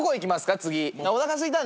次。